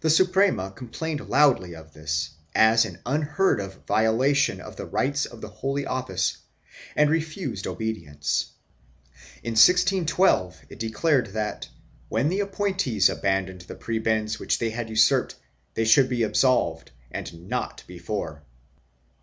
The Suprema com plained loudly of this as an unheard of violation of the rights of the Holy Office and refused obedience. In 1612 it declared that, when the appointees abandoned the prebends which they had usurped, they should be absolved and not before.